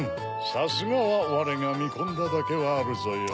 さすがはわれがみこんだだけはあるぞよ。